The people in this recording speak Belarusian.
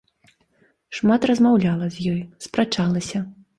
Шмат размаўляла з ёй, спрачалася.